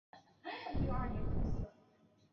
有时也会模仿其他鸟类的叫声。